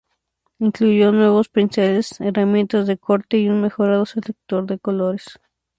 Incluyó nuevos pinceles, herramientas de corte y un mejorado selector de colores.